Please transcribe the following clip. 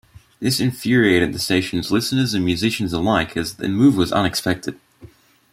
This infuriated the station's listeners and musicians alike as the move was unexpected.